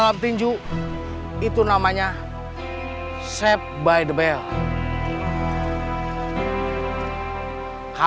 kamu bisa teman nenek ya